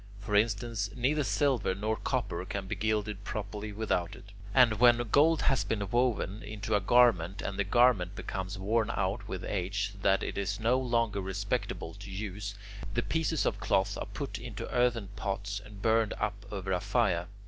For instance, neither silver nor copper can be gilded properly without it. And when gold has been woven into a garment, and the garment becomes worn out with age so that it is no longer respectable to use, the pieces of cloth are put into earthen pots, and burned up over a fire.